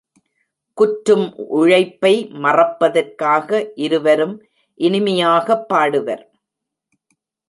குற்றும் உழைப்பை மறப்பதற்காக இருவரும் இனிமையாகப் பாடுவர்.